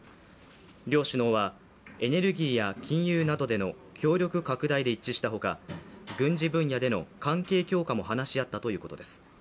両首脳はエネルギーや金融などでの協力拡大で一致したほか、軍事分野での関係強化も話し合ったということです。